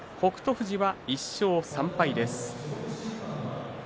富士は１勝３敗です。